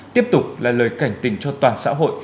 tiếp tục là lời cảnh tình cho toàn xã hội